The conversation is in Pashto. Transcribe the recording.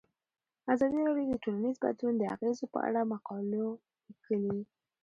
ازادي راډیو د ټولنیز بدلون د اغیزو په اړه مقالو لیکلي.